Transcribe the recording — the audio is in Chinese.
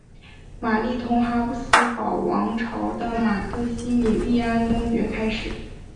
玛丽同哈布斯堡王朝的马克西米利安公爵开始。